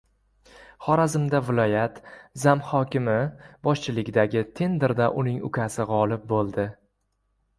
Xorazmda viloyat “zamhokim”i boshchiligidagi tenderda uning ukasi g‘olib bo‘ldi